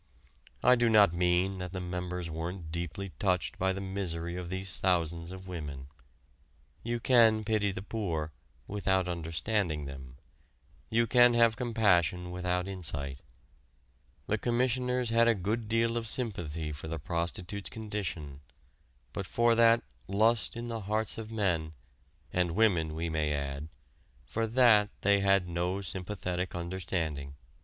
I do not mean that the members weren't deeply touched by the misery of these thousands of women. You can pity the poor without understanding them; you can have compassion without insight. The Commissioners had a good deal of sympathy for the prostitute's condition, but for that "lust in the hearts of men," and women we may add, for that, they had no sympathetic understanding.